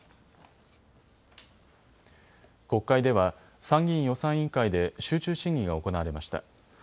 国会では参議院予算委員会で集中審議が行われました。